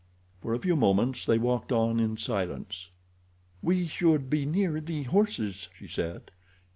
For a few moments they walked on in silence. "We should be near the horses," she said.